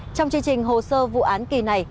trong chương trình hồ sơ vụ án kỳ này